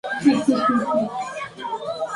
Su capital estaba situada en la ciudad de Edimburgo.